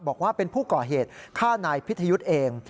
บอกว่าเป็นผู้ก่อเหตุฆ่านายพิทยุทธ์เอง